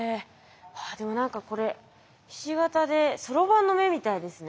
でも何かこれひし形でそろばんの目みたいですね。